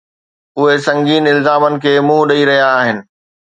اهي سنگين الزامن کي منهن ڏئي رهيا آهن.